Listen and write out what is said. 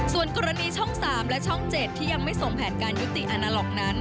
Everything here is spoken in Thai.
ส่วนกรณีช่อง๓และช่อง๗ที่ยังไม่ส่งแผนการยุติอาณาล็อกนั้น